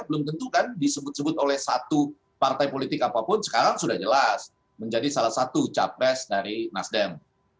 belum tentu kan disebut sebut oleh satu partai politik apapun sekarang sudah jelas menjadi salah satu capres dari nasdem